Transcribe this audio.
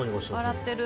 笑ってる。